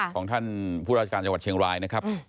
ของท่านผู้ราชการจังหวัดเชียงรายนะครับ